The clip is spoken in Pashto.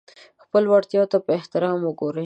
خپلو وړتیاوو ته په احترام وګورئ.